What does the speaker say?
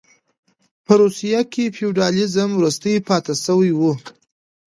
په روسیه کې فیوډالېزم وروستۍ پاتې شوې وې.